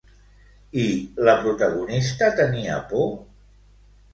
I la protagonista tenia por?